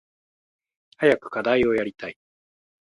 早く課題をやりたい。